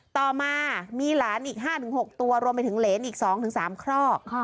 ต่อมามีหลานอีก๕๖ตัวรวมไปถึงเหรนอีก๒๓ครอก